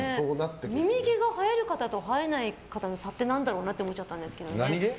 耳毛が生える方と生えない方の差って何だろうなって思っちゃったんですけど。